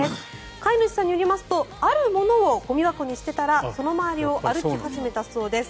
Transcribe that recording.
飼い主さんによりますとあるものをゴミ箱に捨てたらその周りを歩き始めたそうです。